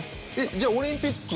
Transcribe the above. じゃあオリンピック